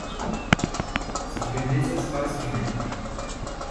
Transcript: C'est que des espaces funèbres